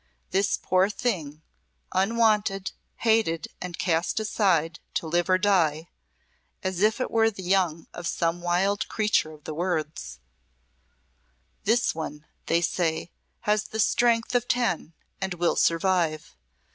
This poor thing, unwanted, hated, and cast aside to live or die as if it were the young of some wild creature of the woods this one, they say, has the strength of ten, and will survive.